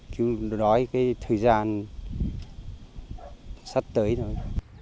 cứ đối với cái thời gian sắp tới thôi